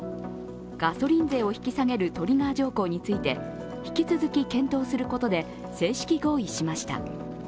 ガソリン税を引き下げるトリガー条項について引き続き検討することで正式合意しました。